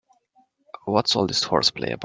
What's all this horseplay about?